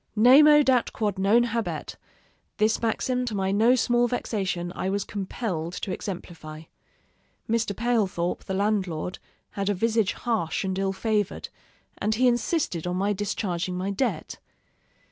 Nemo dat quod non habet this maxim, to my no small vexation, I was compelled to exemplify. Mr. Palethorp, the landlord, had a visage harsh and ill favored, and he insisted on my discharging my debt.